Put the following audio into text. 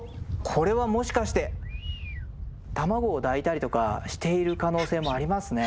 これはもしかして卵を抱いたりとかしている可能性もありますね。